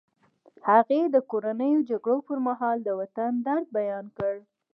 هغې د کورنیو جګړو پر مهال د وطن درد بیان کړ